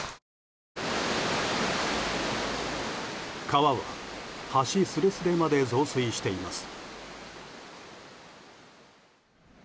川は橋すれすれまで増水しています。